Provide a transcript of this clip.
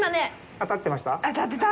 当たってました？